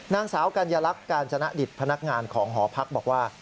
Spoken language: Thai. นางสาวกัญลักษณ์กาญจนดิตพนักงานของหอพักบอกว่า